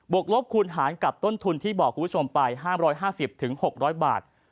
กลบคูณหารกับต้นทุนที่บอกคุณผู้ชมไป๕๕๐๖๐๐บาท